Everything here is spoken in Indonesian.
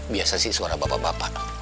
biasa sih suara bapak bapak